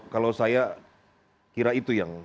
kalau saya kira itu yang